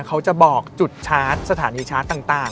เขาจะบอกจุดชาร์จสถานีชาร์จต่าง